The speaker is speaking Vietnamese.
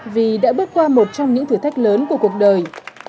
vì đã bước qua một trong những thử thách lớn của cuộc đời